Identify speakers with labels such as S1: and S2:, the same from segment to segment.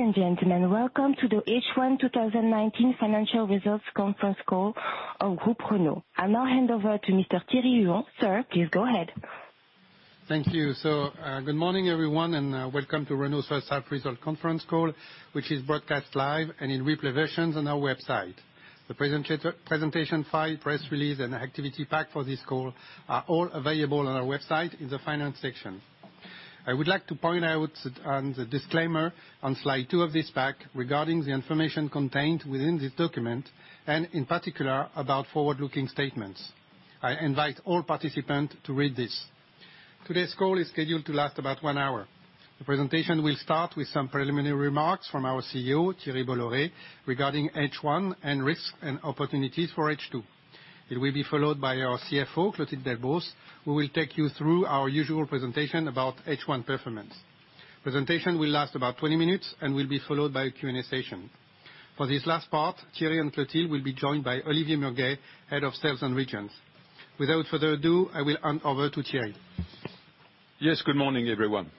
S1: Ladies and gentlemen, welcome to the H1 2019 financial results conference call of Groupe Renault. I now hand over to Mr. Thierry Bolloré. Sir, please go ahead.
S2: Thank you. Good morning, everyone, and welcome to Renault's first half result conference call, which is broadcast live and in replay versions on our website. The presentation file, press release, and activity pack for this call are all available on our website in the finance section. I would like to point out on the disclaimer on slide two of this pack, regarding the information contained within this document, and in particular, about forward-looking statements. I invite all participants to read this. Today's call is scheduled to last about one hour. The presentation will start with some preliminary remarks from our CEO, Thierry Bolloré, regarding H1 and risks and opportunities for H2. It will be followed by our CFO, Clotilde Delbos, who will take you through our usual presentation about H1 performance. Presentation will last about 20 minutes and will be followed by a Q&A session. For this last part, Thierry and Clotilde will be joined by Olivier Murguet, Head of Sales and Regions. Without further ado, I will hand over to Thierry.
S3: Good morning, everyone.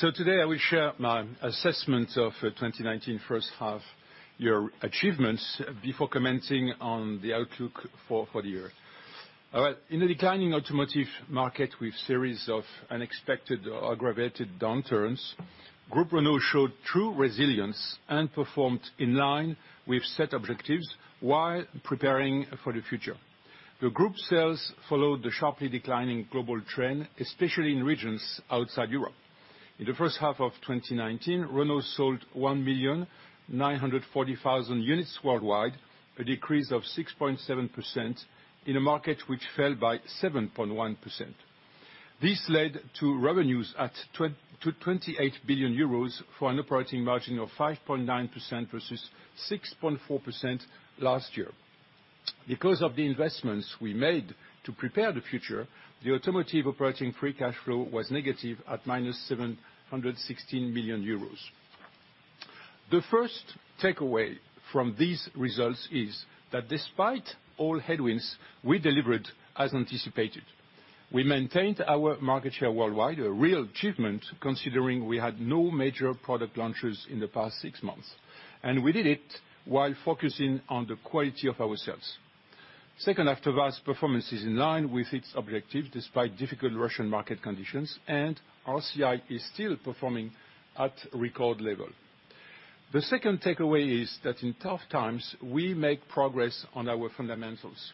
S3: Today I will share my assessment of 2019 first half-year achievements before commenting on the outlook for the year. All right. In a declining automotive market with series of unexpected, aggravated downturns, Groupe Renault showed true resilience and performed in line with set objectives while preparing for the future. The group sales followed the sharply declining global trend, especially in regions outside Europe. In the first half of 2019, Renault sold 1,940,000 units worldwide, a decrease of 6.7% in a market which fell by 7.1%. This led to revenues to 28 billion euros for an operating margin of 5.9% versus 6.4% last year. Because of the investments we made to prepare the future, the automotive operating free cash flow was negative at 716 million euros. The first takeaway from these results is that despite all headwinds, we delivered as anticipated. We maintained our market share worldwide, a real achievement, considering we had no major product launches in the past six months. We did it while focusing on the quality of our sales. Second, AVTOVAZ performance is in line with its objective, despite difficult Russian market conditions, and RCI is still performing at record level. The second takeaway is that in tough times, we make progress on our fundamentals.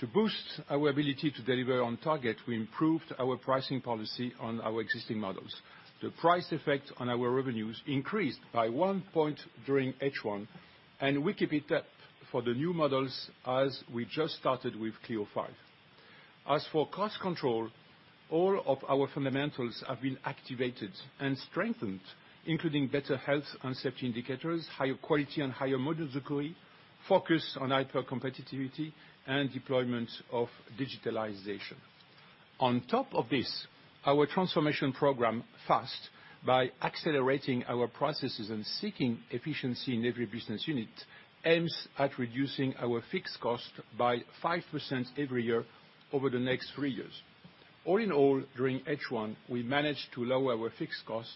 S3: To boost our ability to deliver on target, we improved our pricing policy on our existing models. The price effect on our revenues increased by one point during H1, and we keep it up for the new models as we just started with Clio V. As for cost control, all of our fundamentals have been activated and strengthened, including better health and safety indicators, higher quality and higher model variety, focus on hyper-competitiveness, and deployment of digitalization. On top of this, our transformation program, FAST, by accelerating our processes and seeking efficiency in every business unit, aims at reducing our fixed cost by 5% every year over the next three years. All in all, during H1, we managed to lower our fixed cost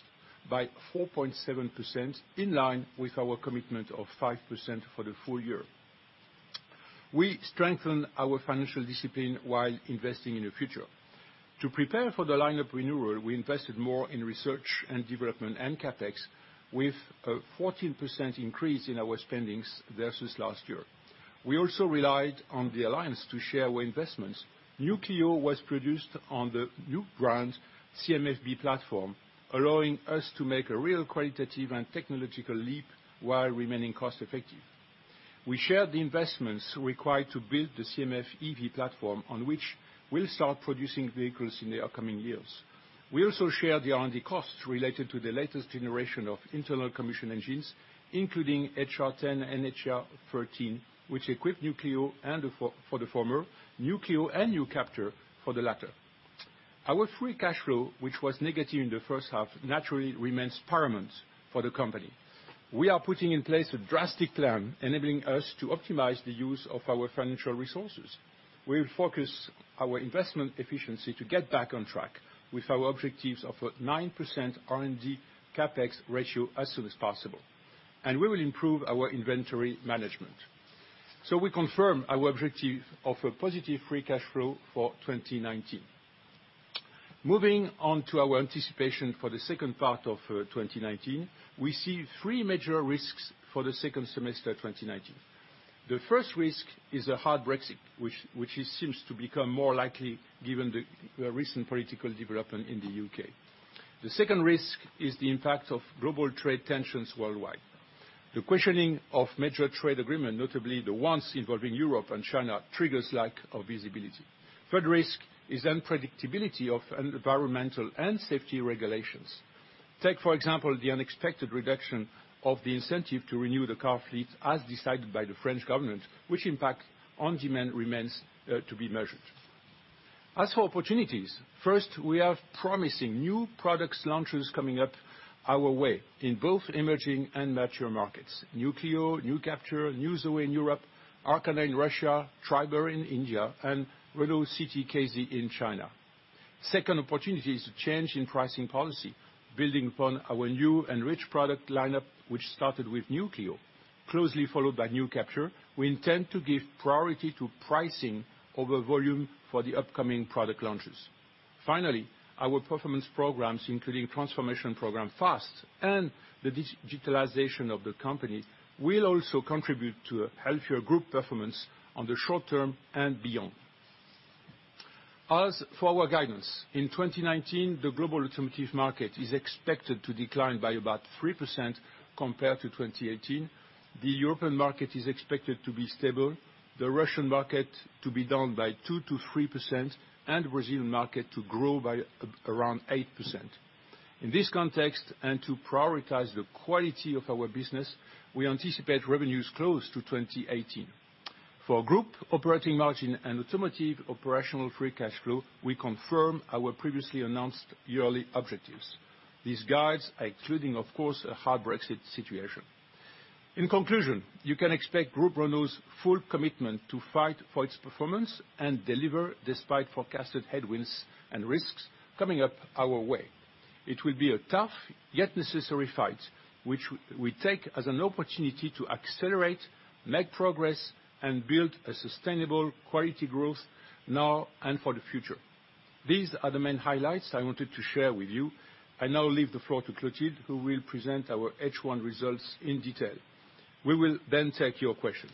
S3: by 4.7%, in line with our commitment of 5% for the full year. We strengthen our financial discipline while investing in the future. To prepare for the line of renewal, we invested more in research and development and CapEx, with a 14% increase in our spendings versus last year. We also relied on the alliance to share our investments. New Clio was produced on the new brand CMF-B platform, allowing us to make a real qualitative and technological leap while remaining cost-effective. We shared the investments required to build the CMF-EV platform on which we'll start producing vehicles in the upcoming years. We also share the R&D costs related to the latest generation of internal combustion engines, including HR10 and HR13, which equip New Clio and for the former, New Clio and New Captur for the latter. Our free cash flow, which was negative in the first half, naturally remains paramount for the company. We are putting in place a drastic plan enabling us to optimize the use of our financial resources. We will focus our investment efficiency to get back on track with our objectives of 9% R&D CapEx ratio as soon as possible. We will improve our inventory management. We confirm our objective of a positive free cash flow for 2019. Moving on to our anticipation for the second part of 2019, we see three major risks for the second semester 2019. The first risk is a hard Brexit, which seems to become more likely given the recent political development in the U.K. The second risk is the impact of global trade tensions worldwide. The questioning of major trade agreement, notably the ones involving Europe and China, triggers lack of visibility. Third risk is unpredictability of environmental and safety regulations. Take, for example, the unexpected reduction of the incentive to renew the car fleet as decided by the French government, which impact on demand remains to be measured. As for opportunities, first, we have promising new products launches coming up our way in both emerging and mature markets. New Clio, New Captur, New ZOE in Europe, Arkana in Russia, Triber in India, and Renault City K-ZE in China. Second opportunity is the change in pricing policy, building upon our new and rich product lineup, which started with New Clio, closely followed by New Captur. We intend to give priority to pricing over volume for the upcoming product launches. Finally, our performance programs, including transformation program FAST and the digitalization of the company, will also contribute to a healthier group performance on the short term and beyond. As for our guidance, in 2019, the global automotive market is expected to decline by about 3% compared to 2018. The European market is expected to be stable, the Russian market to be down by 2%-3%, and Brazilian market to grow by around 8%. In this context, and to prioritize the quality of our business, we anticipate revenues close to 2018. For Group operating margin and automotive operational free cash flow, we confirm our previously announced yearly objectives. These guides excluding, of course, a hard Brexit situation. In conclusion, you can expect Groupe Renault's full commitment to fight for its performance and deliver despite forecasted headwinds and risks coming up our way. It will be a tough yet necessary fight, which we take as an opportunity to accelerate, make progress, and build a sustainable quality growth now and for the future. These are the main highlights I wanted to share with you. I now leave the floor to Clotilde, who will present our H1 results in detail. We will take your questions.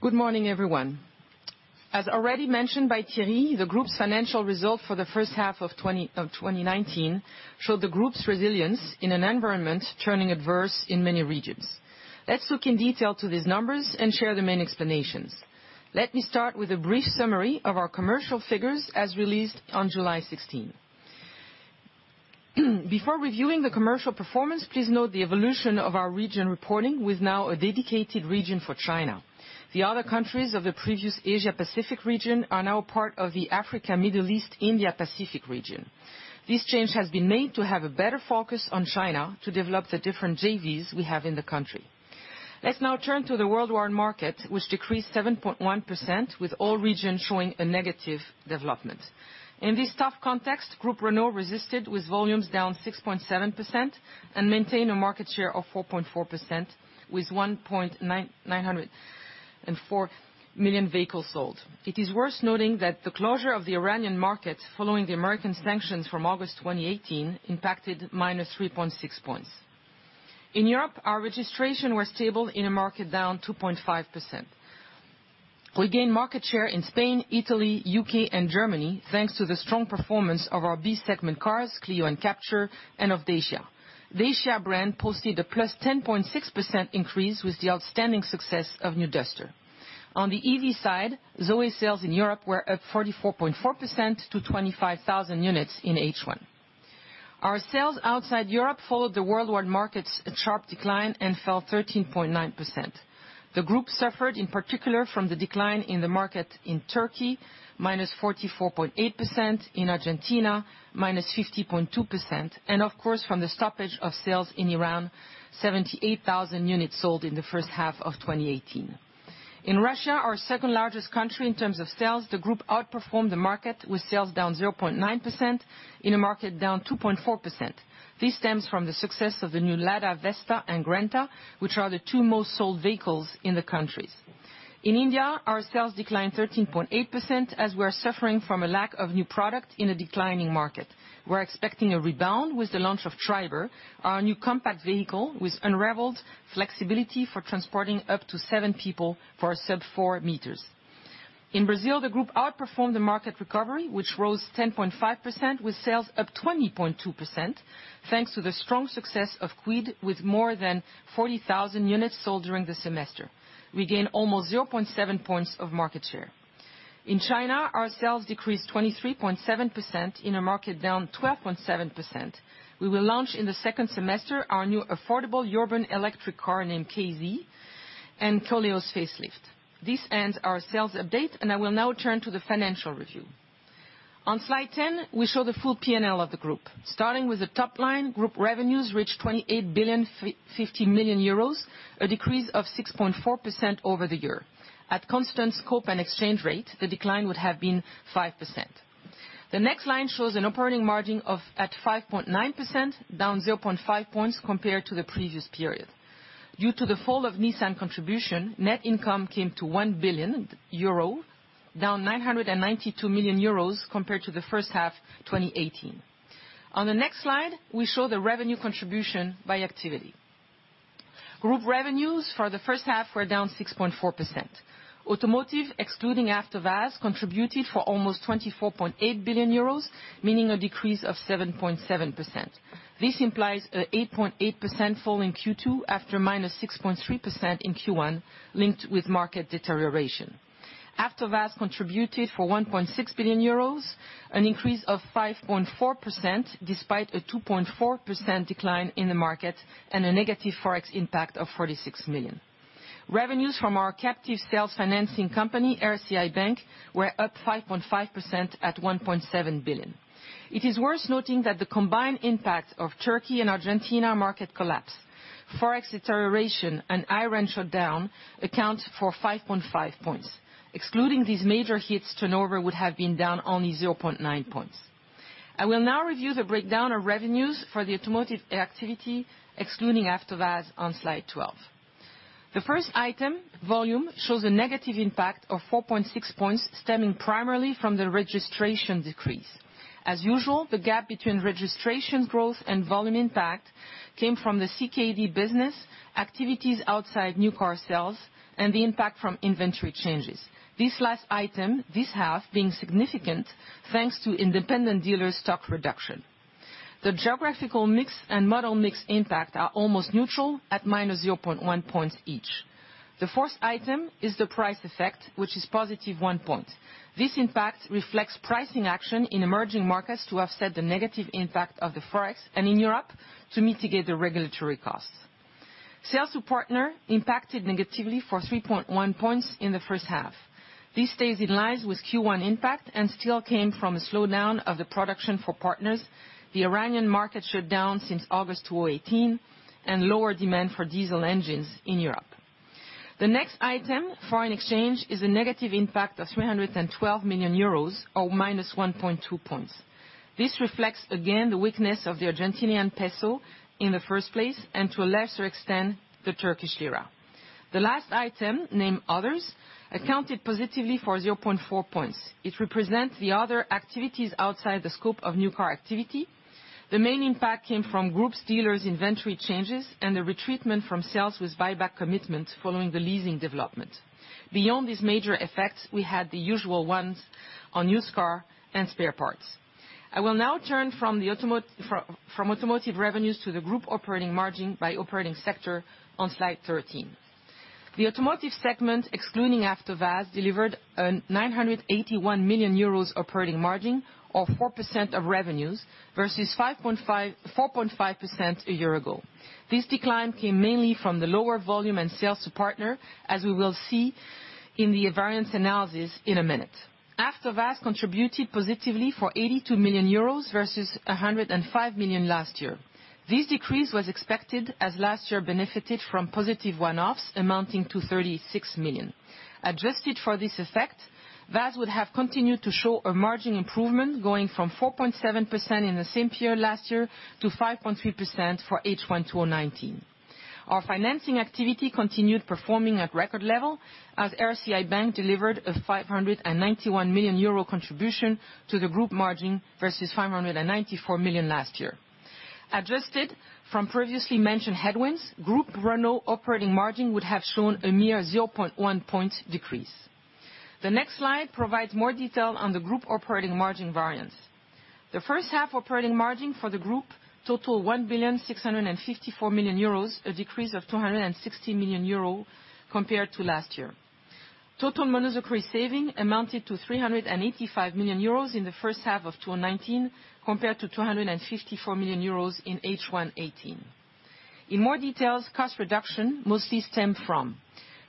S4: Good morning, everyone. As already mentioned by Thierry, the group's financial result for the first half of 2019 showed the group's resilience in an environment turning adverse in many regions. Let's look in detail to these numbers and share the main explanations. Let me start with a brief summary of our commercial figures as released on July 16. Before reviewing the commercial performance, please note the evolution of our region reporting, with now a dedicated region for China. The other countries of the previous Asia Pacific region are now part of the Africa, Middle East, India, Pacific region. This change has been made to have a better focus on China to develop the different JVs we have in the country. Let's now turn to the worldwide market, which decreased 7.1% with all regions showing a negative development. In this tough context, Groupe Renault resisted with volumes down 6.7% and maintained a market share of 4.4% with 1.904 million vehicles sold. It is worth noting that the closure of the Iranian market following the American sanctions from August 2018 impacted -3.6 points. In Europe, our registration was stable in a market down 2.5%. We gained market share in Spain, Italy, U.K., and Germany, thanks to the strong performance of our B-segment cars, Clio and Captur, and of Dacia. Dacia brand posted a +10.6% increase with the outstanding success of new Duster. On the EV side, ZOE sales in Europe were up 44.4% to 25,000 units in H1. Our sales outside Europe followed the worldwide market's sharp decline and fell 13.9%. The group suffered, in particular, from the decline in the market in Turkey, -44.8%, in Argentina, -50.2%, and of course, from the stoppage of sales in Iran, 78,000 units sold in the first half of 2018. In Russia, our second largest country in terms of sales, the group outperformed the market with sales down 0.9% in a market down 2.4%. This stems from the success of the new LADA Vesta and Granta, which are the two most sold vehicles in the countries. In India, our sales declined 13.8% as we are suffering from a lack of new product in a declining market. We're expecting a rebound with the launch of Triber, our new compact vehicle with unrivaled flexibility for transporting up to seven people for a sub-four meters. In Brazil, the group outperformed the market recovery, which rose 10.5% with sales up 20.2%, thanks to the strong success of Kwid with more than 40,000 units sold during the semester. We gained almost 0.7 points of market share. In China, our sales decreased 23.7% in a market down 12.7%. We will launch in the second semester our new affordable urban electric car named K-ZE and Koleos facelift. This ends our sales update. I will now turn to the financial review. On slide 10, we show the full P&L of the group. Starting with the top line, group revenues reached 28,050,000,000 euros, a decrease of 6.4% over the year. At constant scope and exchange rate, the decline would have been 5%. The next line shows an operating margin at 5.9%, down 0.5 points compared to the previous period. Due to the fall of Nissan contribution, net income came to 1 billion euro, down 992 million euros compared to the first half 2018. On the next slide, we show the revenue contribution by activity. Group revenues for the first half were down 6.4%. Automotive, excluding AVTOVAZ, contributed for almost 24.8 billion euros, meaning a decrease of 7.7%. This implies an 8.8% fall in Q2 after -6.3% in Q1 linked with market deterioration. After Sales contributed for 1.6 billion euros, an increase of 5.4% despite a 2.4% decline in the market and a negative forex impact of 46 million. Revenues from our captive sales financing company, RCI Bank, were up 5.5% at 1.7 billion. It is worth noting that the combined impact of Turkey and Argentina market collapse, forex deterioration, and Iran shutdown accounts for 5.5 points. Excluding these major hits, turnover would have been down only 0.9 points. I will now review the breakdown of revenues for the automotive activity, excluding AVTOVAZ on slide 12. The first item, volume, shows a negative impact of 4.6 points stemming primarily from the registration decrease. As usual, the gap between registration growth and volume impact came from the CKD business, activities outside new car sales, and the impact from inventory changes. This last item, this half, being significant thanks to independent dealer stock reduction. The geographical mix and model mix impact are almost neutral at -0.1 points each. The fourth item is the price effect, which is +1 point. This impact reflects pricing action in emerging markets to offset the negative impact of the forex and in Europe to mitigate the regulatory costs. Sales to partner impacted negatively for 3.1 points in the first half. This stays in line with Q1 impact and still came from a slowdown of the production for partners, the Iranian market shutdown since August 2018, and lower demand for diesel engines in Europe. The next item, foreign exchange, is a negative impact of 312 million euros, or -1.2 points. This reflects, again, the weakness of the Argentinian peso in the first place, and to a lesser extent, the Turkish lira. The last item, named Others, accounted positively for 0.4 points. It represents the other activities outside the scope of new car activity. The main impact came from Group's dealers' inventory changes and the retreatment from sales with buyback commitment following the leasing development. Beyond these major effects, we had the usual ones on used car and spare parts. I will now turn from automotive revenues to the Group operating margin by operating sector on slide 13. The automotive segment, excluding AVTOVAZ, delivered a 981 million euros operating margin or 4% of revenues versus 4.5% a year ago. This decline came mainly from the lower volume and sales to partner, as we will see in the variance analysis in a minute. AVTOVAZ contributed positively for 82 million euros versus 105 million last year. This decrease was expected as last year benefited from +1-offs amounting to 36 million. Adjusted for this effect, AVTOVAZ would have continued to show a margin improvement going from 4.7% in the same period last year to 5.3% for H1 2019. Our financing activity continued performing at record level as RCI Bank delivered a 591 million euro contribution to the group margin versus 594 million last year. Adjusted from previously mentioned headwinds, Groupe Renault operating margin would have shown a mere 0.1 point decrease. The next slide provides more detail on the group operating margin variance. The first half operating margin for the group total 1,654,000,000 euros, a decrease of 260 million euros compared to last year. Total monozukuri saving amounted to 385 million euros in the first half of 2019, compared to 254 million euros in H1 2018. In more details, cost reduction mostly stemmed from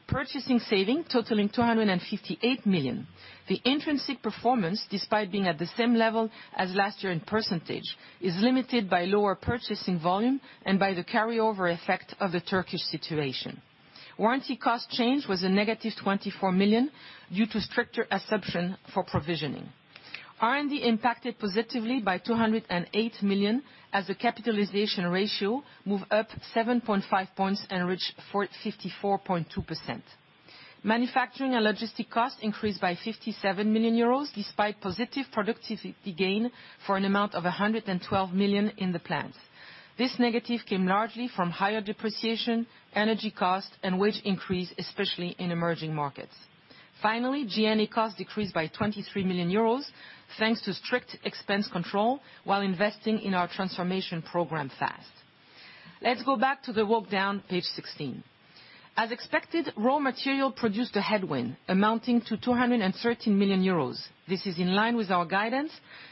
S4: purchasing saving totaling 258 million. The intrinsic performance, despite being at the same level as last year in percentage, is limited by lower purchasing volume and by the carryover effect of the Turkish situation. Warranty cost change was a -24 million due to stricter assumption for provisioning. R&D impacted positively by 208 million as the capitalization ratio moved up 7.5 points and reached 54.2%. Manufacturing and logistic costs increased by 57 million euros, despite positive productivity gain for an amount of 112 million in the plant. This negative came largely from higher depreciation, energy cost, and wage increase, especially in emerging markets. Finally, G&A costs decreased by 23 million euros thanks to strict expense control while investing in our transformation program FAST. Let's go back to the walk down, page 16. As expected, raw material produced a headwind amounting to 213 million euros. This is in line with our guidance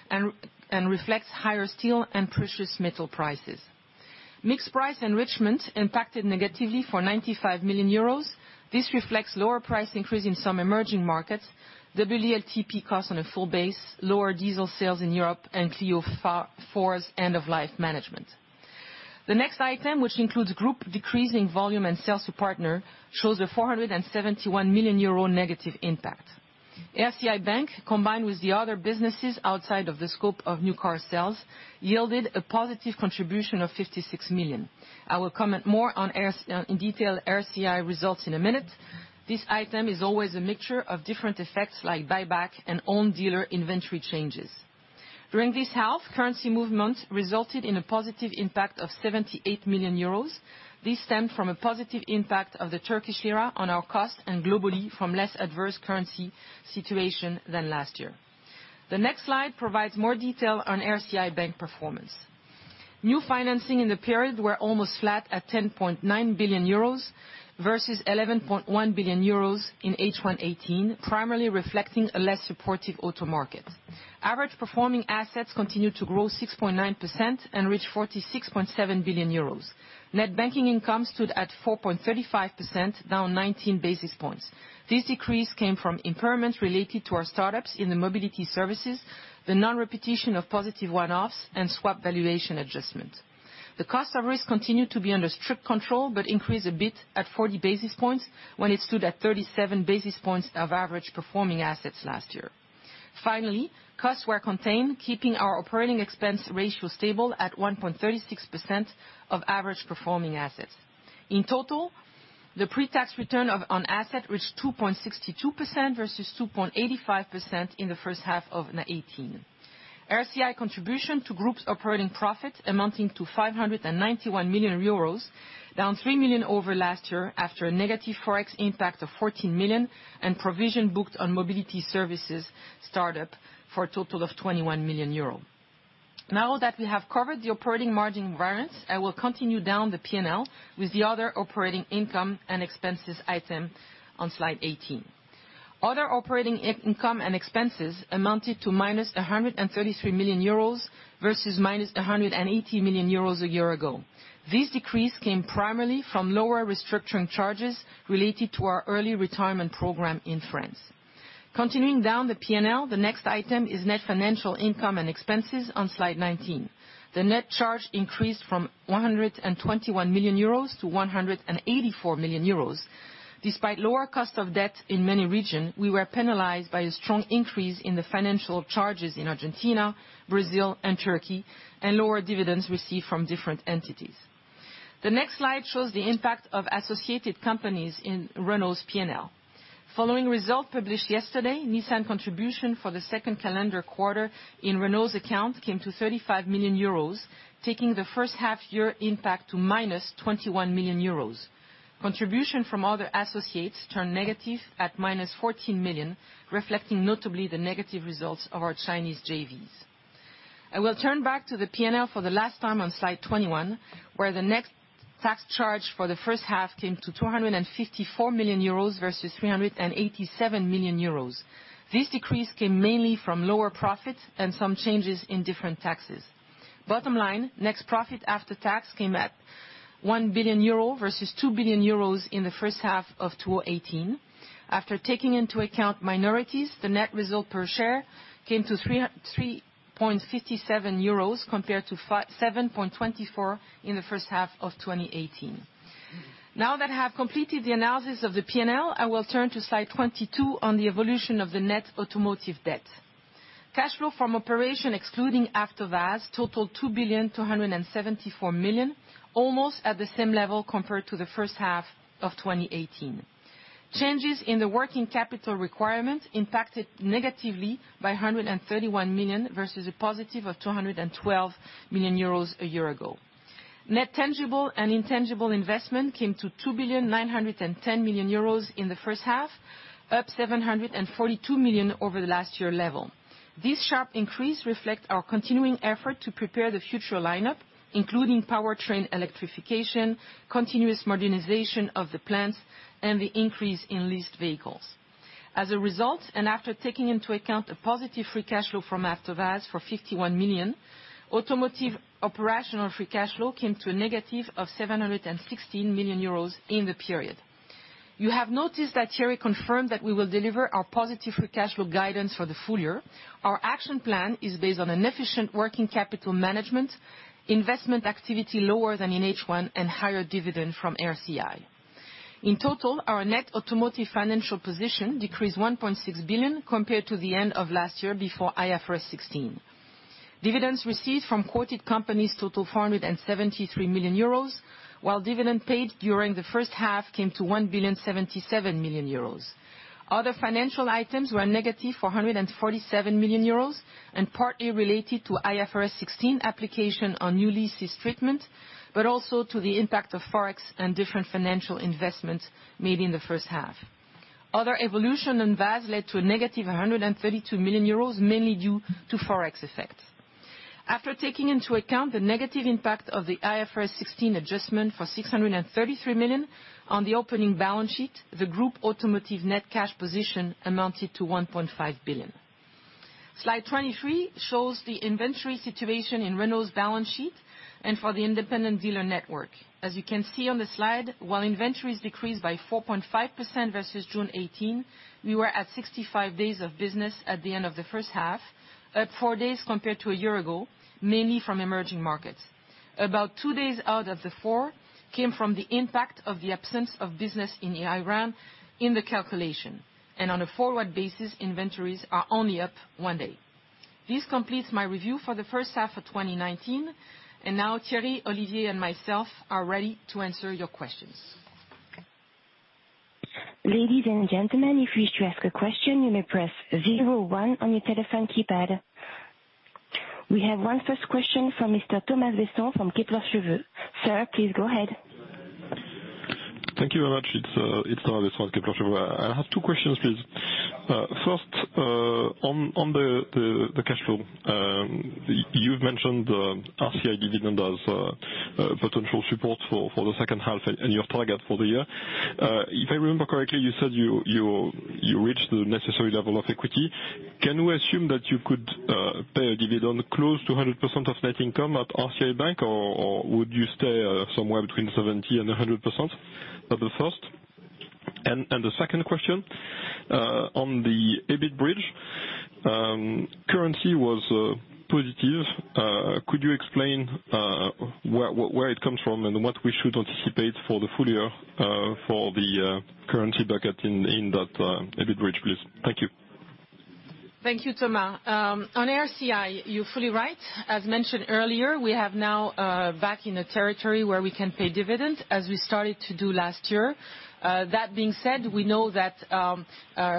S4: and reflects higher steel and precious metal prices. Mixed price enrichment impacted negatively for 95 million euros. This reflects lower price increase in some emerging markets, WLTP cost on a full base, lower diesel sales in Europe, and Clio 4's end-of-life management. The next item, which includes group decreasing volume and sales to partner, shows a 471 million euro negative impact. RCI Bank, combined with the other businesses outside of the scope of new car sales, yielded a positive contribution of 56 million. I will comment more in detail RCI results in a minute. This item is always a mixture of different effects like buyback and own dealer inventory changes. During this half, currency movement resulted in a positive impact of 78 million euros. This stemmed from a positive impact of the Turkish lira on our cost and globally from less adverse currency situation than last year. The next slide provides more detail on RCI Bank performance. New financing in the period were almost flat at 10.9 billion euros versus 11.1 billion euros in H1 2018, primarily reflecting a less supportive auto market. Average performing assets continued to grow 6.9% and reach 46.7 billion euros. Net banking income stood at 4.35%, down 19 basis points. This decrease came from impairment related to our startups in the mobility services, the non-repetition of +1-offs, and swap valuation adjustment. The cost of risk continued to be under strict control, but increased a bit at 40 basis points when it stood at 37 basis points of average performing assets last year. Finally, costs were contained, keeping our operating expense ratio stable at 1.36% of average performing assets. In total, the pre-tax return on asset reached 2.62% versus 2.85% in the first half of 2018. RCI contribution to Group's operating profit amounting to 591 million euros, down 3 million over last year after a negative forex impact of 14 million, and provision booked on mobility services startup for a total of 21 million euros. Now that we have covered the operating margin variance, I will continue down the P&L with the other operating income and expenses item on slide 18. Other operating income and expenses amounted to -133 million euros versus -180 million euros a year ago. This decrease came primarily from lower restructuring charges related to our early retirement program in France. Continuing down the P&L, the next item is net financial income and expenses on slide 19. The net charge increased from 121 million euros to 184 million euros. Despite lower cost of debt in many region, we were penalized by a strong increase in the financial charges in Argentina, Brazil and Turkey, and lower dividends received from different entities. The next slide shows the impact of associated companies in Renault's P&L. Following result published yesterday, Nissan contribution for the second calendar quarter in Renault's account came to 35 million euros, taking the first half year impact to -21 million euros. Contribution from other associates turned negative at -14 million, reflecting notably the negative results of our Chinese JVs. I will turn back to the P&L for the last time on slide 21, where the net tax charge for the first half came to 254 million euros versus 387 million euros. This decrease came mainly from lower profits and some changes in different taxes. Bottom line, net profit after tax came at 1 billion euro, versus 2 billion euros in the first half of 2018. After taking into account minorities, the net result per share came to 3.57 euros compared to 7.24 in the first half of 2018. Now that I have completed the analysis of the P&L, I will turn to slide 22 on the evolution of the net automotive debt. Cash flow from operation excluding AVTOVAZ, total 2,274 million, almost at the same level compared to the first half of 2018. Changes in the working capital requirement impacted negatively by 131 million versus a positive of 212 million euros a year ago. Net tangible and intangible investment came to 2.91 billion in the first half, up 742 million over the last year level. This sharp increase reflect our continuing effort to prepare the future lineup, including powertrain electrification, continuous modernization of the plants, and the increase in leased vehicles. As a result, and after taking into account a positive free cash flow from AVTOVAZ for 51 million, automotive operational free cash flow came to a negative of 716 million euros in the period. You have noticed that Thierry confirmed that we will deliver our positive free cash flow guidance for the full year. Our action plan is based on an efficient working capital management, investment activity lower than in H1, and higher dividend from RCI. In total, our net automotive financial position decreased 1.6 billion compared to the end of last year before IFRS 16. Dividends received from quoted companies total 473 million euros, while dividend paid during the first half came to 1,077,000,000 euros. Other financial items were -447 million euros and partly related to IFRS 16 application on new leases treatment, but also to the impact of forex and different financial investments made in the first half. Other evolution in AVTOVAZ led to a -132 million euros, mainly due to forex effect. After taking into account the negative impact of the IFRS 16 adjustment for 633 million on the opening balance sheet, the group automotive net cash position amounted to 1.5 billion. Slide 23 shows the inventory situation in Renault's balance sheet and for the independent dealer network. As you can see on the slide, while inventories decreased by 4.5% versus June 2018, we were at 65 days of business at the end of the first half, up four days compared to a year ago, mainly from emerging markets. About two days out of the four came from the impact of the absence of business in Iran in the calculation, and on a forward basis, inventories are only up one day. This completes my review for the first half of 2019, and now Thierry, Olivier and myself are ready to answer your questions.
S1: Ladies and gentlemen, if you wish to ask a question, you may press 01 on your telephone keypad. We have one first question from Mr. Thomas Besson from Kepler Cheuvreux. Sir, please go ahead.
S5: Thank you very much. It's Thomas, Kepler Cheuvreux. I have two questions, please. First, on the cash flow, you've mentioned RCI dividend as potential support for the second half and your target for the year. If I remember correctly, you said you reached the necessary level of equity. Can we assume that you could pay a dividend close to 100% of net income at RCI Bank, or would you stay somewhere between 70% and 100%? That the first. The second question, on the EBIT bridge, currency was positive. Could you explain where it comes from and what we should anticipate for the full year for the currency bucket in that EBIT bridge, please? Thank you.
S4: Thank you, Thomas. On RCI, you're fully right. As mentioned earlier, we have now back in a territory where we can pay dividends as we started to do last year. That being said, we know that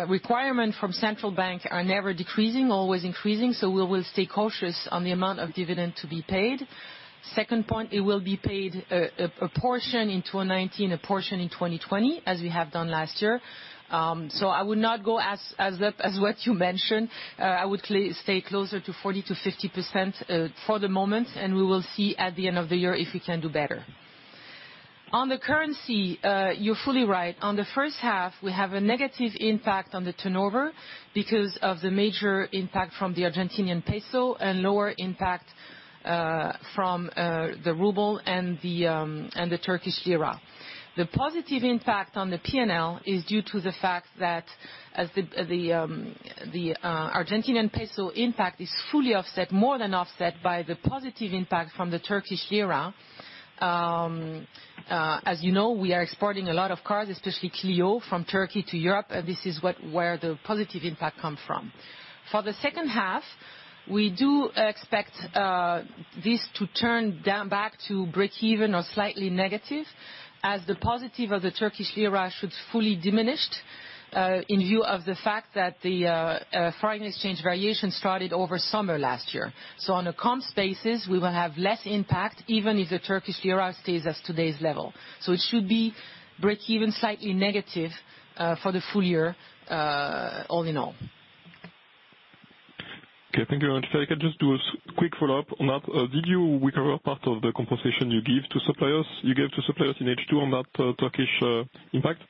S4: requirement from central bank are never decreasing, always increasing. We will stay cautious on the amount of dividend to be paid. Second point, it will be paid a portion in 2019, a portion in 2020, as we have done last year. I would not go as what you mentioned, I would stay closer to 40%-50% for the moment, and we will see at the end of the year if we can do better. On the currency, you're fully right. On the first half, we have a negative impact on the turnover because of the major impact from the Argentinian peso and lower impact from the ruble and the Turkish lira. The positive impact on the P&L is due to the fact that as the Argentinian peso impact is fully offset, more than offset by the positive impact from the Turkish lira. As you know, we are exporting a lot of cars, especially Clio, from Turkey to Europe. This is where the positive impact come from. For the second half, we do expect this to turn back to breakeven or slightly negative as the positive of the Turkish lira should fully diminished, in view of the fact that the foreign exchange variation started over summer last year. On a comps basis, we will have less impact even if the Turkish lira stays as today's level. It should be breakeven, slightly negative for the full year, all in all.
S5: Okay, thank you very much. If I can just do a quick follow-up on that. Did you recover part of the compensation you gave to suppliers in H2 on that Turkish impact?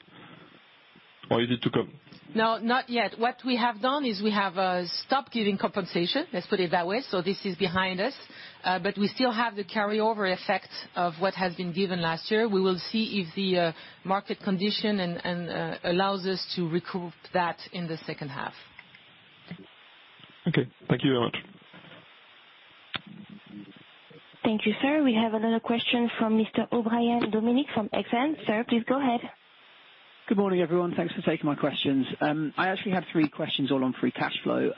S5: Or is it to come?
S4: No, not yet. What we have done is we have stopped giving compensation, let's put it that way. This is behind us. We still have the carryover effect of what has been given last year. We will see if the market condition allows us to recoup that in the second half.
S5: Okay. Thank you very much.
S1: Thank you, sir. We have another question from Mr. O'Brien Dominic from Exane. Sir, please go ahead.
S6: Good morning, everyone. Thanks for taking my questions. I actually have three questions all on free cash flow.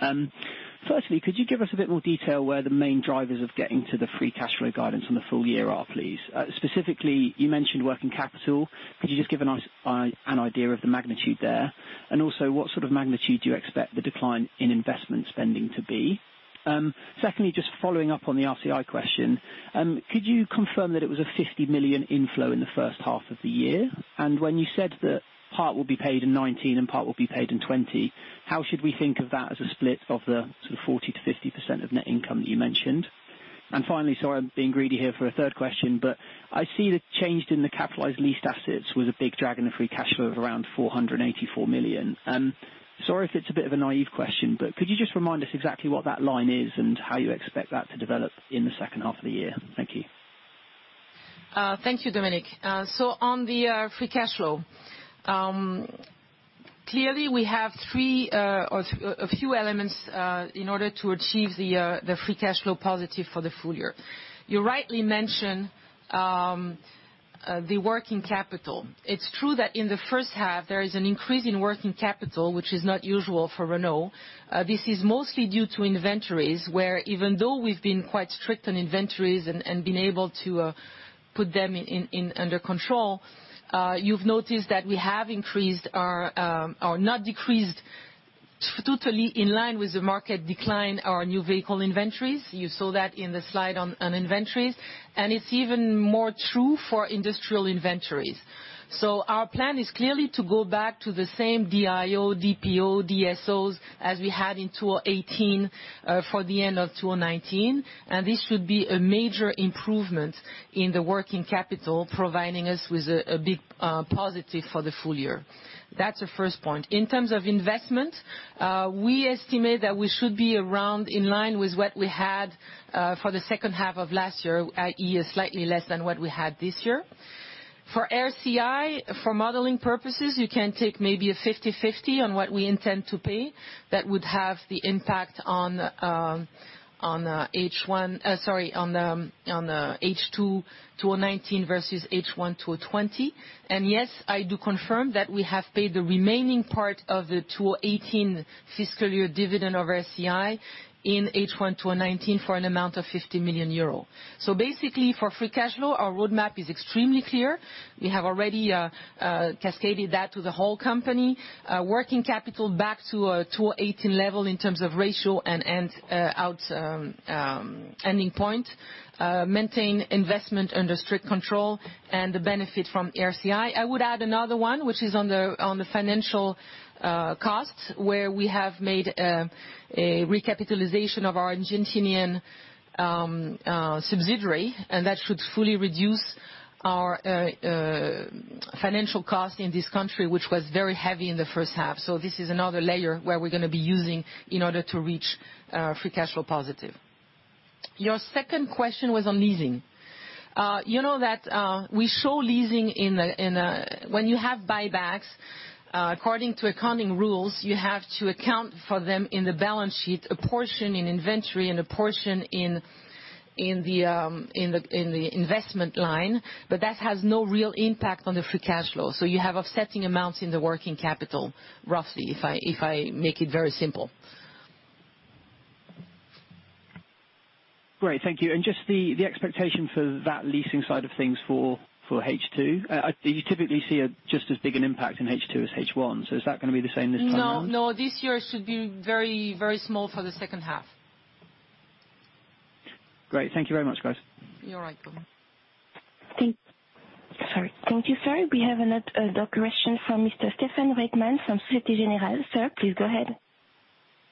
S6: Firstly, could you give us a bit more detail where the main drivers of getting to the free cash flow guidance on the full year are, please? Specifically, you mentioned working capital. Could you just give an idea of the magnitude there, and also what sort of magnitude do you expect the decline in investment spending to be? Secondly, just following up on the RCI question. Could you confirm that it was a 50 million inflow in the first half of the year? When you said that part will be paid in 2019 and part will be paid in 2020, how should we think of that as a split of the sort of 40%-50% of net income that you mentioned? Finally, sorry, I'm being greedy here for a third question, but I see the change in the capitalized leased assets was a big drag on the free cash flow of around 484 million. Sorry if it's a bit of a naive question, but could you just remind us exactly what that line is and how you expect that to develop in the second half of the year? Thank you.
S4: Thank you, Dominic. On the free cash flow. Clearly, we have a few elements in order to achieve the free cash flow positive for the full year. You rightly mention the working capital. It's true that in the first half, there is an increase in working capital, which is not usual for Renault. This is mostly due to inventories, where even though we've been quite strict on inventories and been able to put them under control, you've noticed that we have increased, or not decreased totally in line with the market decline, our new vehicle inventories. You saw that in the slide on inventories. It's even more true for industrial inventories. Our plan is clearly to go back to the same DIO, DPO, DSOs as we had in 2018 for the end of 2019, and this should be a major improvement in the working capital, providing us with a big positive for the full year. That's the first point. In terms of investment, we estimate that we should be around in line with what we had for the second half of last year, i.e., slightly less than what we had this year. For RCI, for modeling purposes, you can take maybe a 50/50 on what we intend to pay. That would have the impact on H2 2019 versus H1 2020. Yes, I do confirm that we have paid the remaining part of the 2018 fiscal year dividend of RCI in H1 2019 for an amount of 50 million euro. Basically for free cash flow, our roadmap is extremely clear. We have already cascaded that to the whole company. Working capital back to 2018 level in terms of ratio and ending point. Maintain investment under strict control and the benefit from RCI. I would add another one, which is on the financial costs, where we have made a recapitalization of our Argentinian subsidiary, and that should fully reduce our financial cost in this country, which was very heavy in the first half. This is another layer where we're going to be using in order to reach free cash flow positive. Your second question was on leasing. You know that we show leasing. When you have buybacks, according to accounting rules, you have to account for them in the balance sheet, a portion in inventory and a portion in the investment line, but that has no real impact on the free cash flow. You have offsetting amounts in the working capital, roughly, if I make it very simple.
S6: Great, thank you. Just the expectation for that leasing side of things for H2, do you typically see just as big an impact in H2 as H1? Is that going to be the same this time around?
S4: No. This year it should be very small for the second half.
S6: Great. Thank you very much, guys.
S4: You're welcome.
S1: Thank you, sir. We have another question from Mr. Stephen Reitman from Societe Generale. Sir, please go ahead.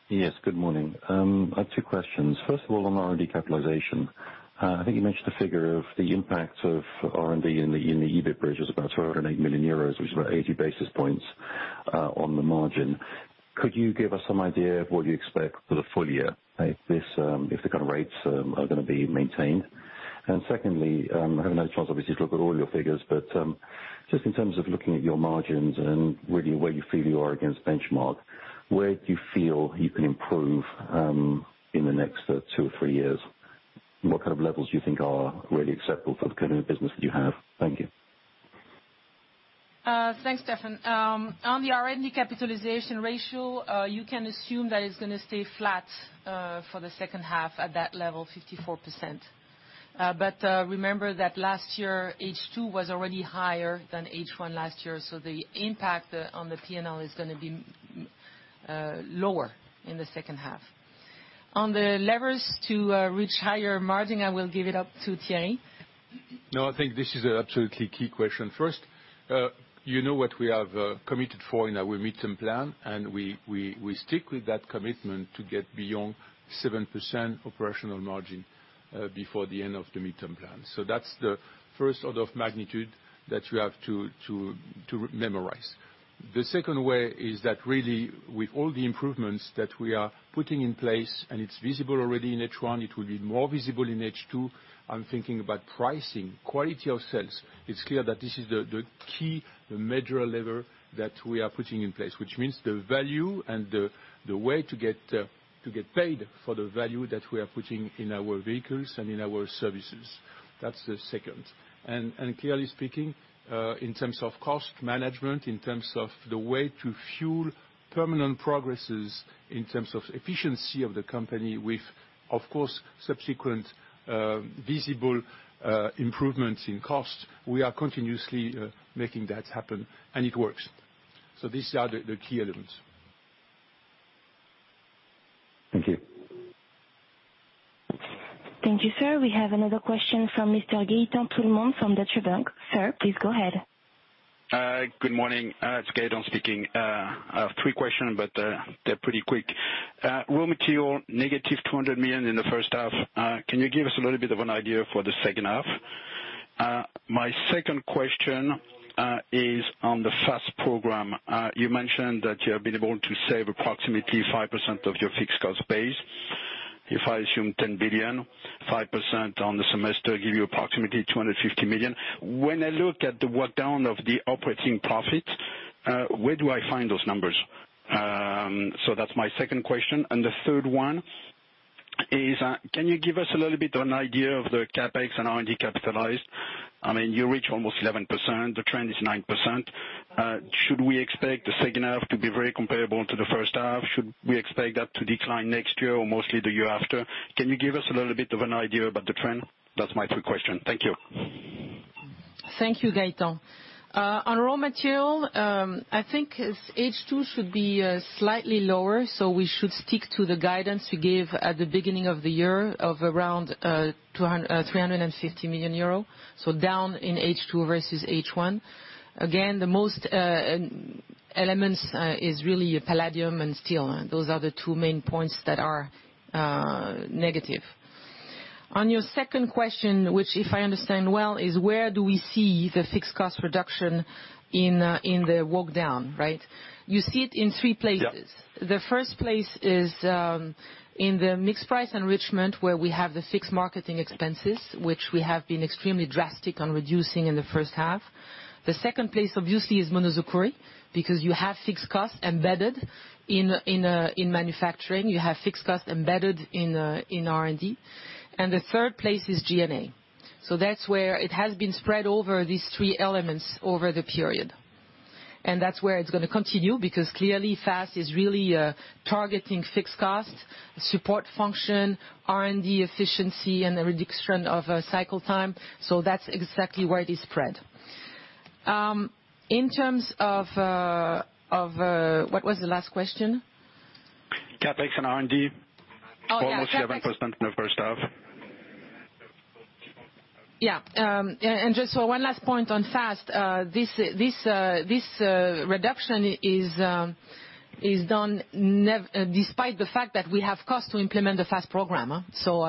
S7: Yes, good morning. I have two questions. First of all, on R&D capitalization. I think you mentioned the figure of the impact of R&D in the EBIT bridge was about 208 million euros, which is about 80 basis points on the margin. Could you give us some idea of what you expect for the full year, if the kind of rates are going to be maintained? Secondly, I haven't had a chance, obviously, to look at all your figures, but just in terms of looking at your margins and really where you feel you are against benchmark, where do you feel you can improve in the next two or three years? What kind of levels do you think are really acceptable for the kind of business that you have? Thank you.
S4: Thanks, Stephen. On the R&D capitalization ratio, you can assume that it is going to stay flat for the second half at that level, 54%. Remember that last year, H2 was already higher than H1 last year, the impact on the P&L is going to be lower in the second half. On the levers to reach higher margin, I will give it up to Thierry.
S3: I think this is an absolutely key question. First, you know what we have committed for in our midterm plan. We stick with that commitment to get beyond 7% operational margin before the end of the midterm plan. That's the first order of magnitude that you have to memorize. The second way is that really, with all the improvements that we are putting in place. It's visible already in H1, it will be more visible in H2. I'm thinking about pricing, quality of sales. It's clear that this is the key, the major lever that we are putting in place, which means the value and the way to get paid for the value that we are putting in our vehicles and in our services. That's the second. Clearly speaking, in terms of cost management, in terms of the way to fuel permanent progresses, in terms of efficiency of the company with, of course, subsequent visible improvements in cost, we are continuously making that happen, and it works. These are the key elements.
S7: Thank you.
S1: Thank you, sir. We have another question from Mr. Gaetan Toulemonde from Deutsche Bank. Sir, please go ahead.
S8: Good morning. It's Gaetan speaking. I have three questions, but they're pretty quick. Raw material -200 million in the first half. Can you give us a little bit of an idea for the second half? My second question is on the FAST program. You mentioned that you have been able to save approximately 5% of your fixed cost base. If I assume 10 billion, 5% on the semester give you approximately 250 million. When I look at the work down of the operating profit, where do I find those numbers? That's my second question. The third one is, can you give us a little bit of an idea of the CapEx and R&D capitalized? I mean, you reach almost 11%, the trend is 9%. Should we expect the second half to be very comparable to the first half? Should we expect that to decline next year or mostly the year after? Can you give us a little bit of an idea about the trend? That's my three questions. Thank you.
S4: Thank you, Gaetan. On raw material, I think H2 should be slightly lower, so we should stick to the guidance we gave at the beginning of the year of around 350 million euro, so down in H2 versus H1. Again, the most elements is really palladium and steel. Those are the two main points that are negative. On your second question, which if I understand well, is where do we see the fixed cost reduction in the walk down, right? You see it in three places.
S8: Yeah.
S4: The first place is in the mixed price enrichment, where we have the fixed marketing expenses, which we have been extremely drastic on reducing in the first half. The second place, obviously, is monozukuri, because you have fixed costs embedded in manufacturing, you have fixed costs embedded in R&D. The third place is G&A. That's where it has been spread over these three elements over the period. And that's where it's going to continue, because clearly FAST is really targeting fixed costs, support function, R&D efficiency, and the reduction of cycle time. That's exactly where it is spread. In terms of What was the last question?
S8: CapEx and R&D.
S4: Oh, yeah.
S8: Almost 7% in the first half.
S4: Yeah. Just one last point on FAST. This reduction is done despite the fact that we have cost to implement the FAST program.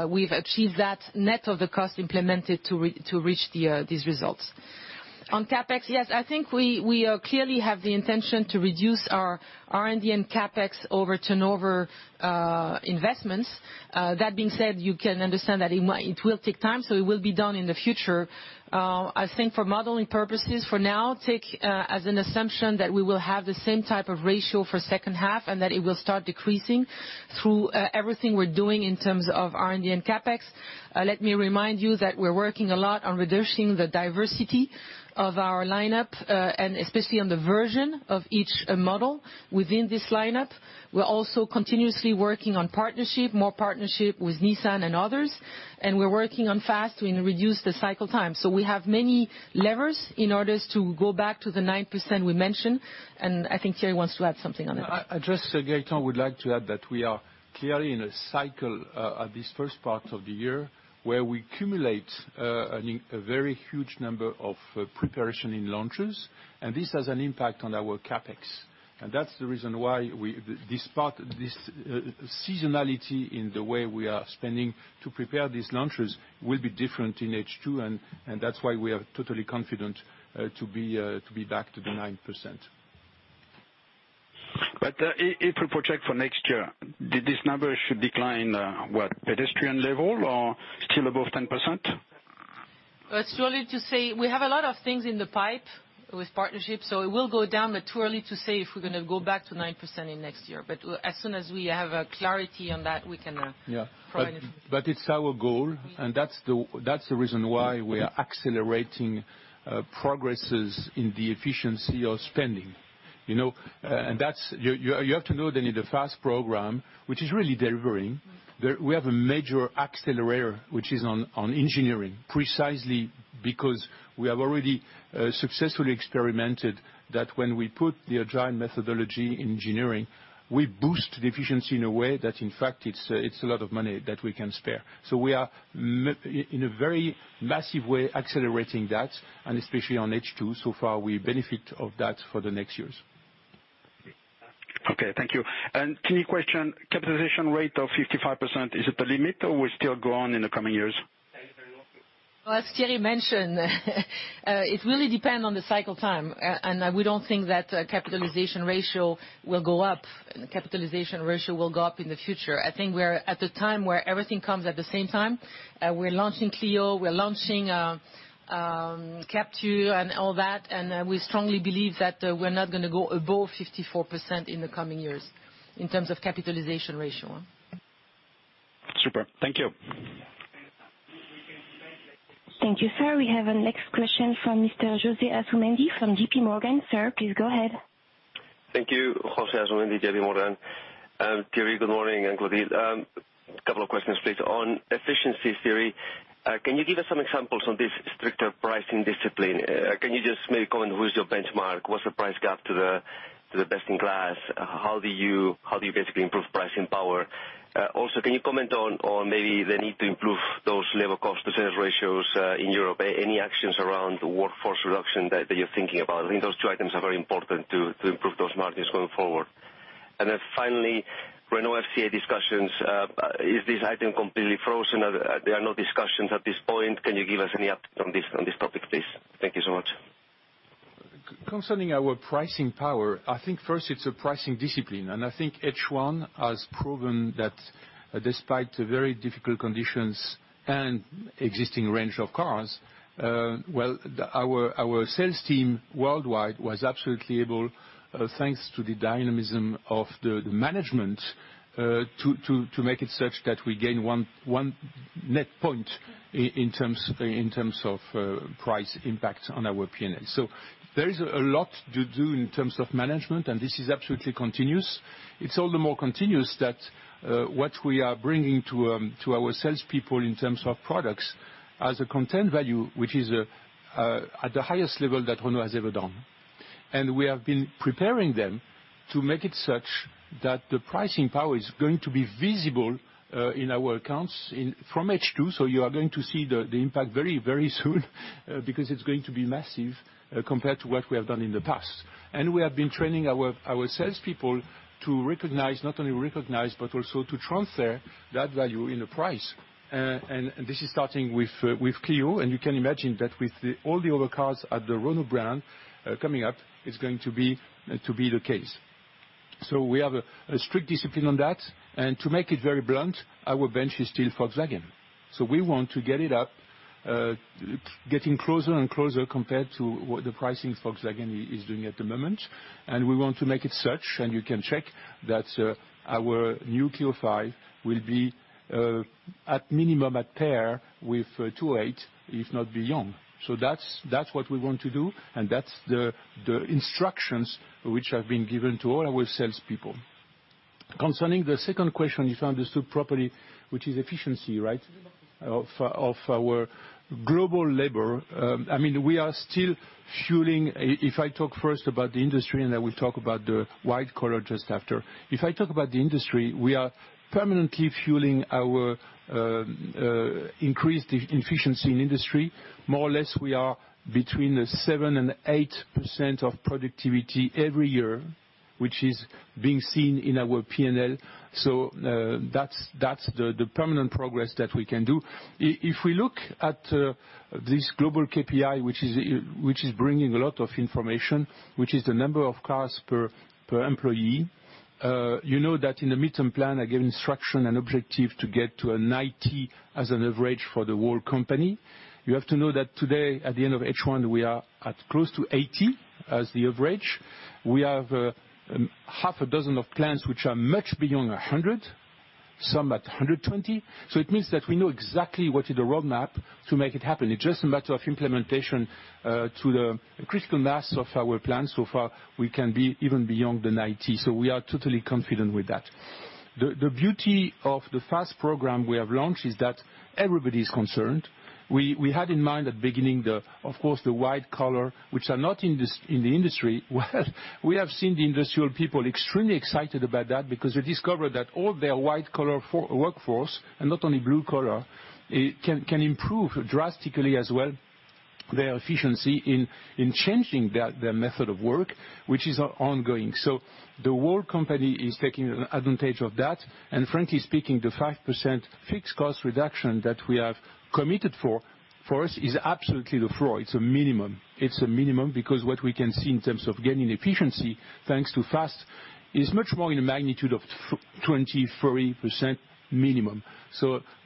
S4: We've achieved that net of the cost implemented to reach these results. On CapEx, yes, I think we clearly have the intention to reduce our R&D and CapEx over turnover investments. That being said, you can understand that it will take time, so it will be done in the future. I think for modeling purposes, for now, take as an assumption that we will have the same type of ratio for second half, and that it will start decreasing through everything we're doing in terms of R&D and CapEx. Let me remind you that we're working a lot on reducing the diversity of our lineup, and especially on the version of each model within this lineup. We're also continuously working on partnership, more partnership with Nissan and others, and we're working on FAST to reduce the cycle time. We have many levers in order to go back to the 9% we mentioned. I think Thierry wants to add something on that.
S3: Just Gaetan would like to add that we are clearly in a cycle at this first part of the year, where we accumulate a very huge number of preparation in launches, and this has an impact on our CapEx. That's the reason why this seasonality in the way we are spending to prepare these launches will be different in H2, and that's why we are totally confident to be back to the 9%.
S8: If we project for next year, this number should decline, what, pedestrian level or still above 10%?
S4: It's too early to say. We have a lot of things in the pipe with partnerships, so it will go down, but too early to say if we're going to go back to 9% in next year. As soon as we have clarity on that, we can.
S3: Yeah
S4: provide it.
S3: It's our goal, and that's the reason why we are accelerating progresses in the efficiency of spending. You have to know that in the FAST program, which is really delivering, we have a major accelerator, which is on engineering, precisely because we have already successfully experimented that when we put the agile methodology in engineering, we boost the efficiency in a way that, in fact, it's a lot of money that we can spare. We are, in a very massive way, accelerating that, and especially on H2. So far, we benefit of that for the next years.
S8: Okay. Thank you. Tiny question, capitalization rate of 55%, is it a limit, or will it still go on in the coming years?
S4: As Thierry mentioned, it really depend on the cycle time. We don't think that capitalization ratio will go up in the future. I think we're at the time where everything comes at the same time. We're launching Clio, we're launching Captur and all that. We strongly believe that we're not going to go above 54% in the coming years in terms of capitalization ratio.
S8: Super. Thank you.
S1: Thank you, sir. We have a next question from Mr. José Asumendi from JPMorgan. Sir, please go ahead.
S9: Thank you. José Asumendi, JPMorgan. Thierry, good morning, and Clotilde. A couple of questions, please. On efficiency, Thierry, can you give us some examples on this stricter pricing discipline? Can you just maybe comment who is your benchmark? What's the price gap to the best in class? How do you basically improve pricing power? Can you comment on maybe the need to improve those labor cost to sales ratios in Europe? Any actions around workforce reduction that you're thinking about? I think those two items are very important to improve those margins going forward. Finally, Renault-FCA discussions. Is this item completely frozen? There are no discussions at this point. Can you give us any update on this topic, please? Thank you so much.
S3: Concerning our pricing power, I think first it's a pricing discipline. I think H1 has proven that despite the very difficult conditions and existing range of cars, our sales team worldwide was absolutely able, thanks to the dynamism of the management, to make it such that we gain one net point in terms of price impact on our P&L. There is a lot to do in terms of management. This is absolutely continuous. It's all the more continuous that what we are bringing to our salespeople in terms of products has a content value, which is at the highest level that Renault has ever done. We have been preparing them to make it such that the pricing power is going to be visible in our accounts from H2. You are going to see the impact very soon, because it's going to be massive compared to what we have done in the past. We have been training our salespeople to not only recognize, but also to transfer that value in the price. This is starting with Clio, and you can imagine that with all the other cars at the Renault brand coming up, it's going to be the case. We have a strict discipline on that. To make it very blunt, our bench is still Volkswagen. We want to get it up, getting closer and closer compared to what the pricing Volkswagen is doing at the moment, and we want to make it such, and you can check, that our New Clio V will be at minimum at par with 208, if not beyond. That's what we want to do, and that's the instructions which have been given to all our salespeople. Concerning the second question, if I understood properly, which is efficiency, right, of our global labor. We are still fueling. If I talk first about the industry, and I will talk about the white collar just after. If I talk about the industry, we are permanently fueling our increased efficiency in industry. More or less, we are between 7% and 8% of productivity every year, which is being seen in our P&L. That's the permanent progress that we can do. If we look at this global KPI, which is bringing a lot of information, which is the number of cars per employee. You know that in the midterm plan, I gave instruction and objective to get to a 90 as an average for the whole company. You have to know that today, at the end of H1, we are at close to 80 as the average. We have half a dozen of clients, which are much beyond 100, some at 120. It means that we know exactly what is the roadmap to make it happen. It's just a matter of implementation to the critical mass of our plan so far, we can be even beyond the 90. We are totally confident with that. The beauty of the FAST program we have launched is that everybody is concerned. We had in mind at beginning, of course, the white collar, which are not in the industry. Well, we have seen the industrial people extremely excited about that because they discovered that all their white collar workforce, and not only blue collar, can improve drastically as well, their efficiency in changing their method of work, which is ongoing. The whole company is taking advantage of that. Frankly speaking, the 5% fixed cost reduction that we have committed for us is absolutely the floor. It's a minimum. It's a minimum because what we can see in terms of gaining efficiency, thanks to FAST, is much more in a magnitude of 23% minimum.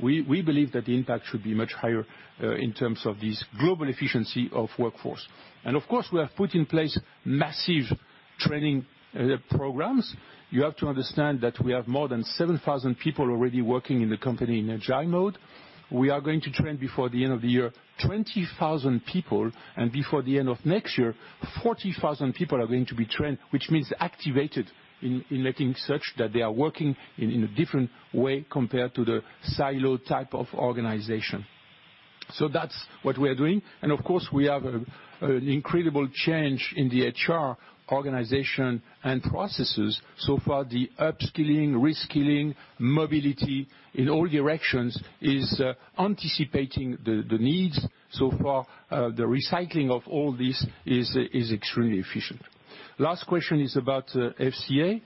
S3: We believe that the impact should be much higher in terms of this global efficiency of workforce. Of course, we have put in place massive training programs. You have to understand that we have more than 7,000 people already working in the company in agile mode. We are going to train, before the end of the year, 20,000 people, and before the end of next year, 40,000 people are going to be trained, which means activated in making it such that they are working in a different way compared to the silo type of organization. That's what we are doing. Of course, we have an incredible change in the HR organization and processes. So far, the upskilling, reskilling, mobility in all directions is anticipating the needs. So far, the recycling of all this is extremely efficient. Last question is about FCA.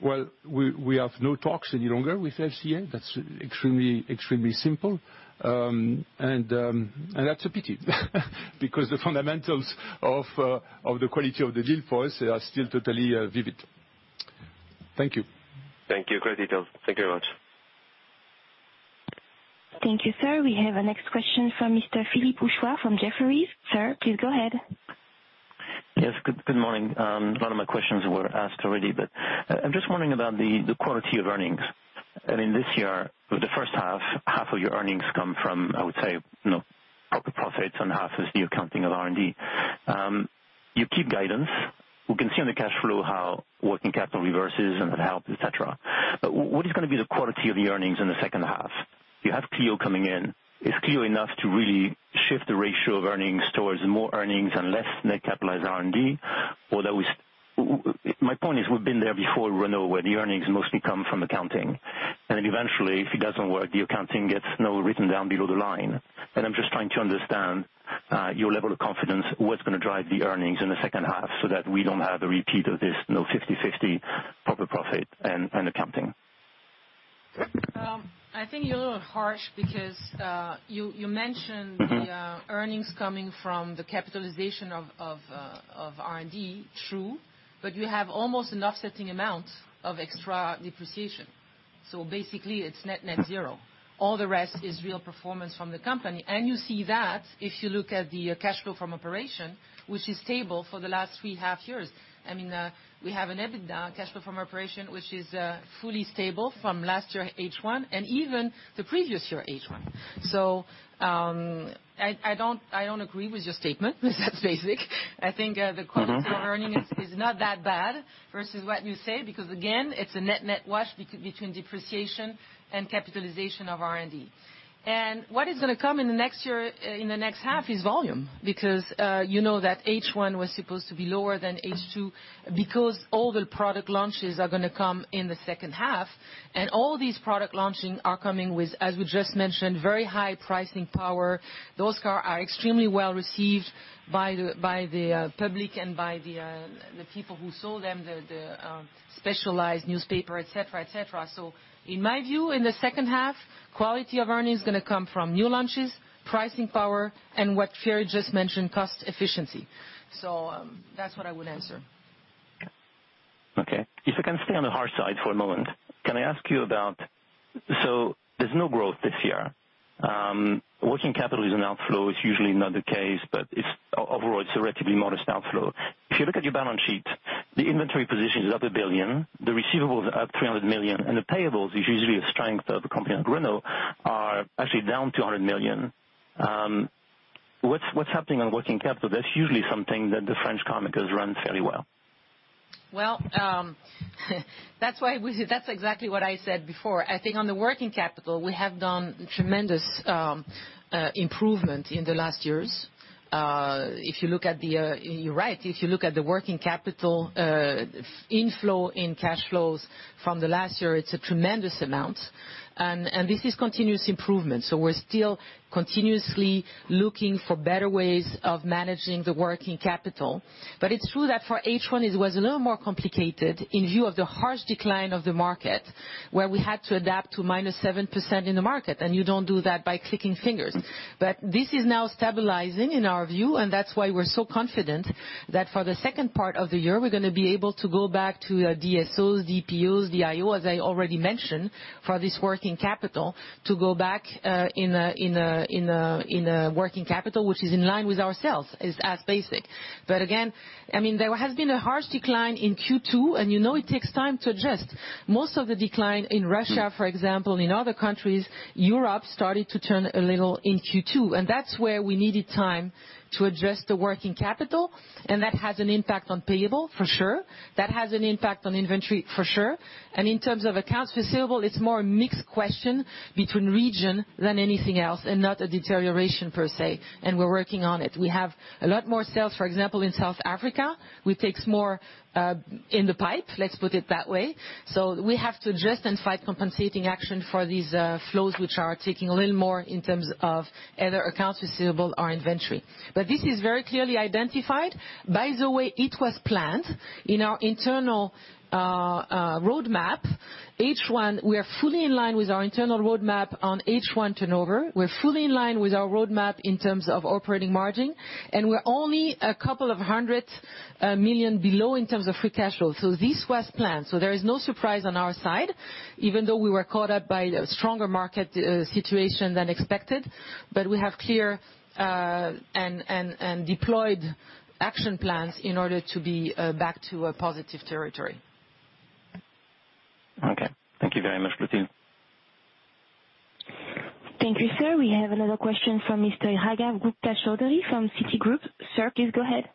S3: Well, we have no talks any longer with FCA. That's extremely simple. That's a pity, because the fundamentals of the quality of the deal for us are still totally vivid. Thank you.
S9: Thank you. Great details. Thank you very much.
S1: Thank you, sir. We have our next question from Mr. Philippe Houchois from Jefferies. Sir, please go ahead.
S10: Yes, good morning. A lot of my questions were asked already. I'm just wondering about the quality of earnings. In this year, the first half of your earnings come from, I would say, proper profits, and half is the accounting of R&D. You keep guidance. We can see on the cash flow how working capital reverses and that helps, et cetera. What is going to be the quality of the earnings in the second half? You have Clio coming in. Is Clio enough to really shift the ratio of earnings towards more earnings and less net capitalized R&D? My point is, we've been there before, Renault, where the earnings mostly come from accounting. Eventually, if it doesn't work, the accounting gets now written down below the line. I'm just trying to understand your level of confidence, what's going to drive the earnings in the second half so that we don't have a repeat of this 50/50 proper profit and accounting.
S4: I think you're a little harsh because you mentioned. The earnings coming from the capitalization of R&D, true, but you have almost an offsetting amount of extra depreciation. Basically, it's net zero. All the rest is real performance from the company. You see that if you look at the cash flow from operation, which is stable for the last three half years. We have an EBITDA cash flow from operation, which is fully stable from last year H1, and even the previous year H1. I don't agree with your statement. That's basic. I think the quality- of earnings is not that bad versus what you say, because again, it's a net wash between depreciation and capitalization of R&D. What is going to come in the next half is volume, because you know that H1 was supposed to be lower than H2 because all the product launches are going to come in the second half. All these product launching are coming with, as we just mentioned, very high pricing power. Those cars are extremely well received by the public and by the people who sold them, the specialized newspaper, et cetera. In my view, in the second half, quality of earnings is going to come from new launches, pricing power, and what Thierry just mentioned, cost efficiency. That's what I would answer.
S10: Okay. If I can stay on the hard side for a moment, can I ask you about? There's no growth this year. Working capital is an outflow. It's usually not the case, but overall, it's a relatively modest outflow. If you look at your balance sheet, the inventory position is up 1 billion, the receivables up 300 million, and the payables, which usually a strength of a company like Renault, are actually down 200 million. What's happening on working capital? That's usually something that the French carmakers run fairly well.
S4: Well, that's exactly what I said before. I think on the working capital, we have done tremendous improvement in the last years. You're right. If you look at the working capital inflow in cash flows from the last year, it's a tremendous amount, and this is continuous improvement. We're still continuously looking for better ways of managing the working capital. It's true that for H1, it was a little more complicated in view of the harsh decline of the market, where we had to adapt to -7% in the market, and you don't do that by clicking fingers. This is now stabilizing in our view, and that's why we're so confident that for the second part of the year, we're going to be able to go back to DSOs, DPOs, DIO, as I already mentioned, for this working capital, to go back in a working capital, which is in line with ourselves. It's as basic. Again, there has been a harsh decline in Q2, and you know it takes time to adjust. Most of the decline in Russia, for example, in other countries, Europe, started to turn a little in Q2, and that's where we needed time to address the working capital, and that has an impact on payables, for sure. That has an impact on inventory, for sure. In terms of accounts receivable, it's more a mixed question between region than anything else, and not a deterioration per se. We're working on it. We have a lot more sales, for example, in South Africa, which takes more in the pipe, let's put it that way. We have to adjust and find compensating action for these flows, which are taking a little more in terms of either accounts receivable or inventory. This is very clearly identified. By the way it was planned in our internal roadmap, H1, we are fully in line with our internal roadmap on H1 turnover. We're fully in line with our roadmap in terms of operating margin, and we're only a couple of hundred million below in terms of free cash flow. This was planned. There is no surprise on our side, even though we were caught up by a stronger market situation than expected. We have clear, and deployed action plans in order to be back to a positive territory.
S10: Okay. Thank you very much, Clotilde.
S1: Thank you, sir. We have another question from Mr. Raghav Gupta-Chaudhary from Citigroup. Sir, please go ahead.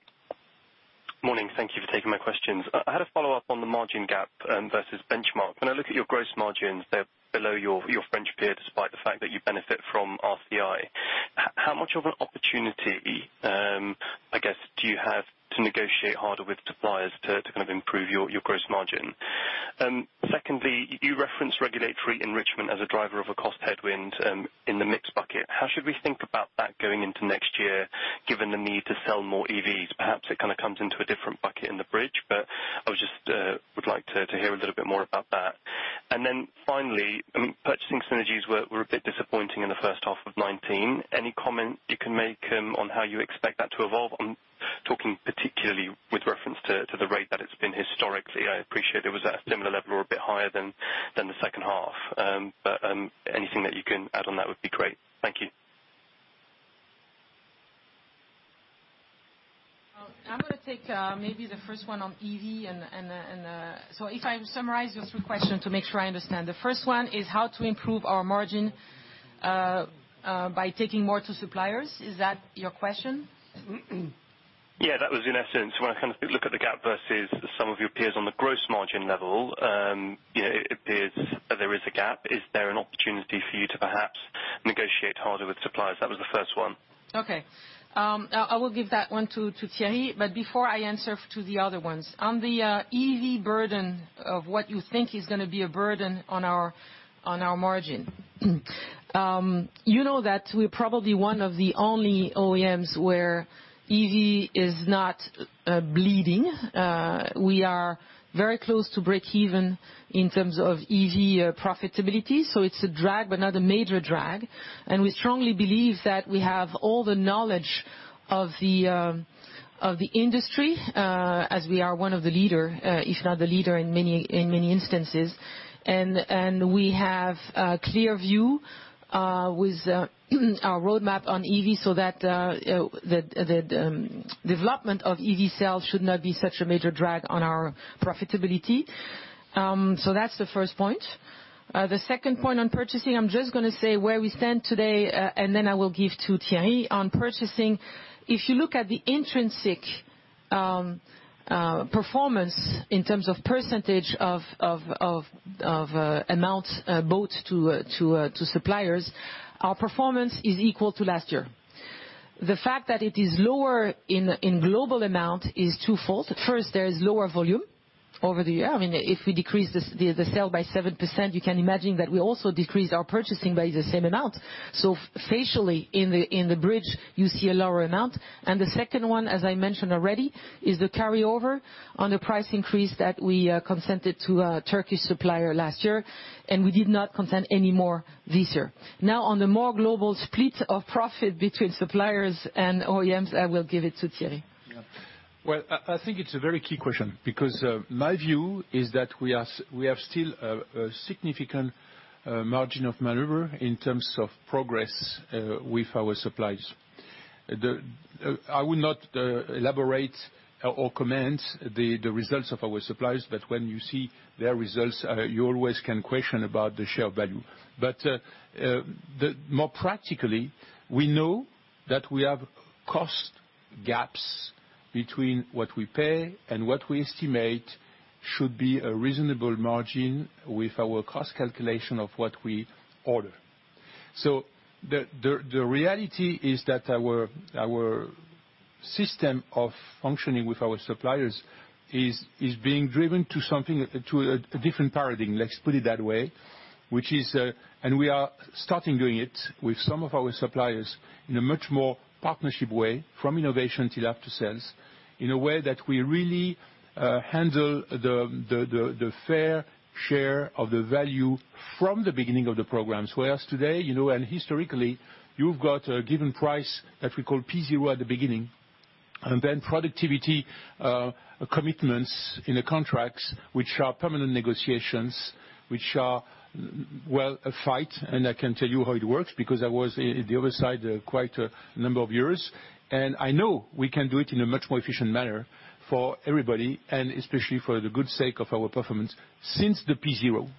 S11: Morning. Thank you for taking my questions. I had a follow-up on the margin gap, versus benchmark. When I look at your gross margins, they're below your French peer, despite the fact that you benefit from RCI. How much of an opportunity, I guess, do you have to negotiate harder with suppliers to kind of improve your gross margin? Secondly, you referenced regulatory enrichment as a driver of a cost headwind in the mixed bucket. How should we think about that going into next year, given the need to sell more EVs? Perhaps it kind of comes into a different bucket in the bridge, but I just would like to hear a little bit more about that. Finally, purchasing synergies were a bit disappointing in the first half of 2019. Any comment you can make on how you expect that to evolve? I'm talking particularly with reference to the rate that it's been historically. I appreciate it was at a similar level or a bit higher than the second half. Anything that you can add on that would be great. Thank you.
S4: I'm going to take maybe the first one on EV. If I summarize your three question to make sure I understand. The first one is how to improve our margin, by taking more to suppliers. Is that your question?
S11: Yeah, that was in essence, when I kind of look at the gap versus some of your peers on the gross margin level, it appears that there is a gap. Is there an opportunity for you to perhaps negotiate harder with suppliers? That was the first one.
S4: Okay. I will give that one to Thierry. Before I answer to the other ones, on the EV burden of what you think is going to be a burden on our margin. You know that we're probably one of the only OEMs where EV is not bleeding. We are very close to breakeven in terms of EV profitability. It's a drag, but not a major drag. We strongly believe that we have all the knowledge of the industry, as we are one of the leader, if not the leader in many instances. We have a clear view with our roadmap on EV that the development of EV sales should not be such a major drag on our profitability. That's the first point. The second point on purchasing, I'm just going to say where we stand today, and then I will give to Thierry on purchasing. If you look at the intrinsic performance in terms of percentage of amounts both to suppliers, our performance is equal to last year. The fact that it is lower in global amount is twofold. First, there is lower volume over the year. If we decrease the sale by 7%, you can imagine that we also decreased our purchasing by the same amount. Facially, in the bridge, you see a lower amount. The second one, as I mentioned already, is the carryover on the price increase that we consented to a Turkish supplier last year, and we did not consent anymore this year. On the more global split of profit between suppliers and OEMs, I will give it to Thierry.
S3: Well, I think it's a very key question because my view is that we have still a significant margin of maneuver in terms of progress with our suppliers. I would not elaborate or comment the results of our suppliers, but when you see their results, you always can question about the share value. More practically, we know that we have cost gaps between what we pay and what we estimate should be a reasonable margin with our cost calculation of what we order. The reality is that our system of functioning with our suppliers is being driven to a different paradigm, let's put it that way, and we are starting doing it with some of our suppliers in a much more partnership way from innovation till up to sales, in a way that we really handle the fair share of the value from the beginning of the programs. Today, and historically, you've got a given price that we call P0 at the beginning, and then productivity commitments in the contracts, which are permanent negotiations, which are, well, a fight, and I can tell you how it works, because I was at the other side quite a number of years. I know we can do it in a much more efficient manner for everybody, and especially for the good sake of our performance, since the P0.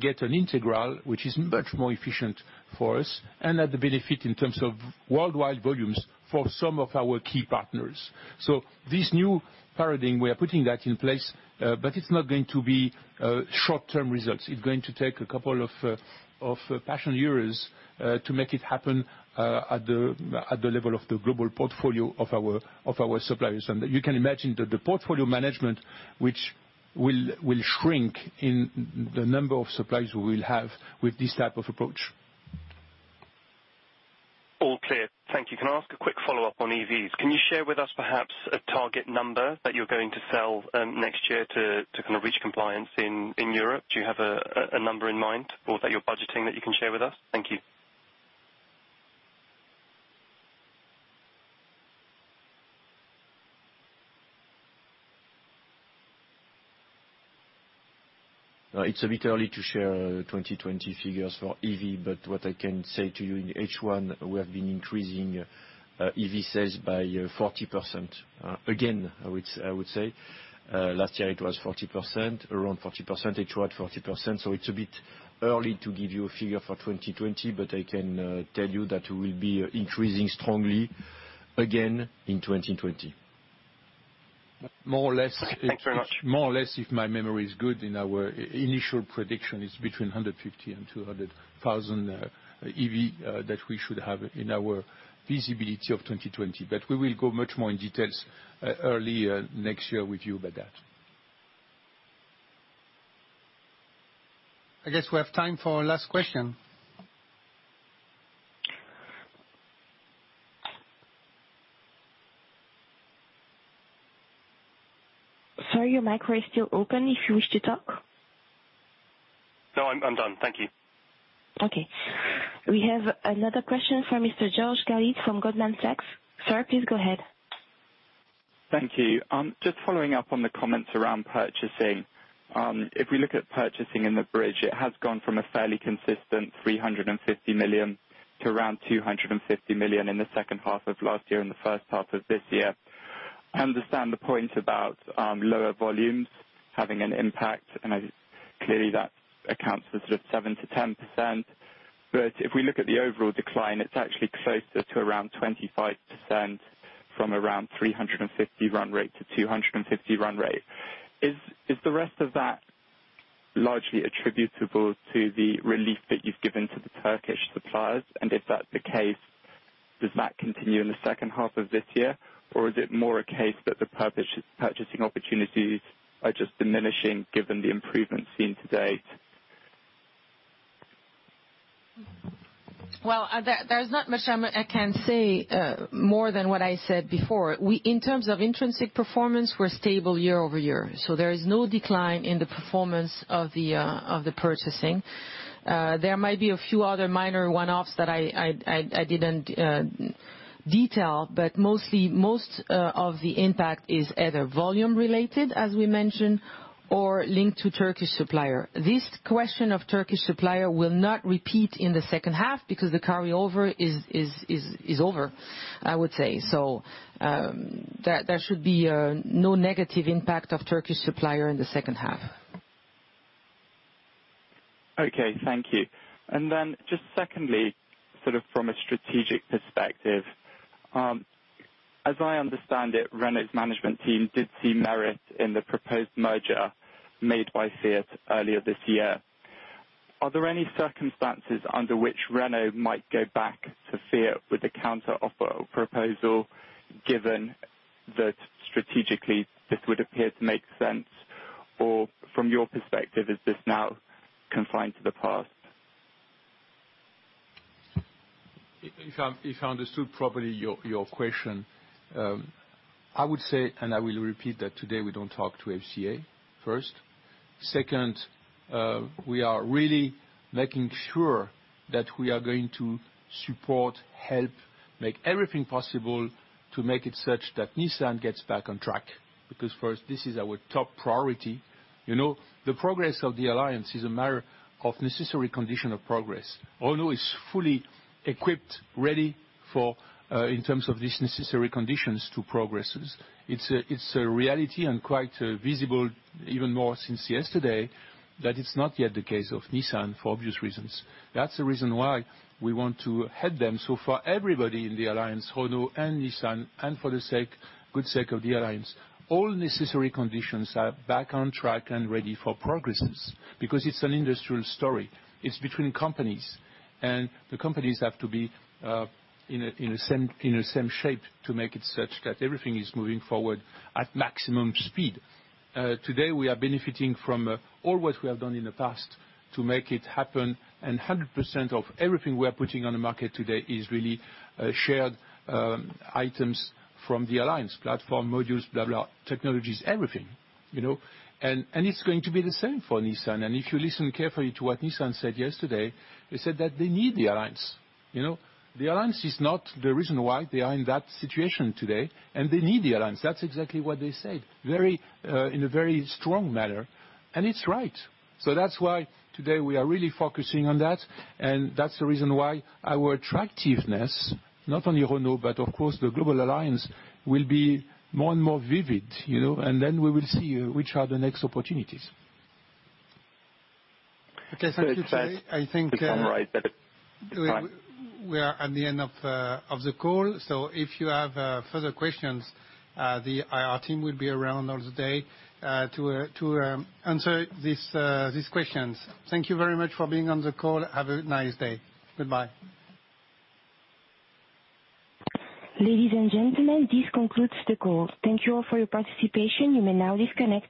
S3: Get an integral, which is much more efficient for us, and at the benefit in terms of worldwide volumes for some of our key partners. This new paradigm, we are putting that in place. It's not going to be short-term results. It's going to take a couple of patient years to make it happen at the level of the global portfolio of our suppliers. You can imagine that the portfolio management, which will shrink in the number of suppliers we will have with this type of approach.
S11: All clear. Thank you. Can I ask a quick follow-up on EVs? Can you share with us perhaps a target number that you're going to sell next year to reach compliance in Europe? Do you have a number in mind or that you're budgeting that you can share with us? Thank you.
S3: It's a bit early to share 2020 figures for EV. What I can say to you, in H1 we have been increasing EV sales by 40%, again, I would say. Last year it was 40%, around 40%, H2 at 40%. It's a bit early to give you a figure for 2020, but I can tell you that we will be increasing strongly again in 2020.
S11: Thanks very much.
S3: More or less, if my memory is good, in our initial prediction is between 150,000 and 200,000 EV that we should have in our visibility of 2020. We will go much more in details early next year with you about that.
S12: I guess we have time for a last question.
S1: Sir, your mic is still open if you wish to talk.
S11: No, I'm done. Thank you.
S1: Okay. We have another question from Mr. George Galliers from Goldman Sachs. Sir, please go ahead.
S13: Thank you. Just following up on the comments around purchasing. If we look at purchasing in the bridge, it has gone from a fairly consistent 350 million to around 250 million in the second half of last year and the first half of this year. I understand the point about lower volumes having an impact, clearly that accounts for sort of 7%-10%. If we look at the overall decline, it's actually closer to around 25% from around 350 run rate to 250 run rate. Is the rest of that largely attributable to the relief that you've given to the Turkish suppliers? If that's the case, does that continue in the second half of this year? Is it more a case that the purchasing opportunities are just diminishing given the improvements seen to date?
S4: Well, there's not much I can say more than what I said before. In terms of intrinsic performance, we're stable year-over-year. There is no decline in the performance of the purchasing. There might be a few other minor one-offs that I didn't detail, but most of the impact is either volume related, as we mentioned, or linked to Turkish supplier. This question of Turkish supplier will not repeat in the second half because the carryover is over, I would say. There should be no negative impact of Turkish supplier in the second half.
S13: Okay. Thank you. Just secondly, sort of from a strategic perspective. As I understand it, Renault's management team did see merit in the proposed merger made by Fiat earlier this year. Are there any circumstances under which Renault might go back to Fiat with a counteroffer or proposal, given that strategically this would appear to make sense? From your perspective, is this now confined to the past?
S3: If I understood properly your question, I would say, I will repeat that today we don't talk to FCA, first. Second, we are really making sure that we are going to support, help, make everything possible to make it such that Nissan gets back on track. First, this is our top priority. The progress of the alliance is a matter of necessary condition of progress. Renault is fully equipped, ready in terms of these necessary conditions to progresses. It's a reality and quite visible even more since yesterday, that it's not yet the case of Nissan for obvious reasons. That's the reason why we want to help them. For everybody in the alliance, Renault and Nissan, and for the good sake of the alliance, all necessary conditions are back on track and ready for progresses, it's an industrial story. It's between companies, and the companies have to be in the same shape to make it such that everything is moving forward at maximum speed. Today we are benefiting from all what we have done in the past to make it happen, and 100% of everything we are putting on the market today is really shared items from the alliance, platform, modules, blah, technologies, everything. It's going to be the same for Nissan. If you listen carefully to what Nissan said yesterday, they said that they need the alliance. The alliance is not the reason why they are in that situation today, and they need the alliance. That's exactly what they said in a very strong manner. It's right. That's why today we are really focusing on that, and that's the reason why our attractiveness, not only Renault, but of course the global alliance, will be more and more vivid. Then we will see which are the next opportunities.
S12: Okay. Thank you, Thierry. I think we are at the end of the call. If you have further questions, our team will be around all day to answer these questions. Thank you very much for being on the call. Have a nice day. Goodbye.
S1: Ladies and gentlemen, this concludes the call. Thank you all for your participation. You may now disconnect.